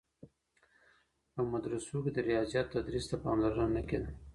په مدرسو کي د ریاضیاتو تدریس ته پاملرنه نه کيده.